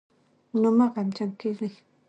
نو مه غمجن کېږئ